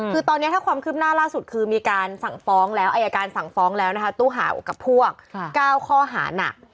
คือตอนนี้ถ้าความคืบหน้าล่าสุดคือมีการสั่งฟ้องแล้วอายการสั่งฟ้องแล้วนะคะตู้เห่ากับพวก๙ข้อหานัก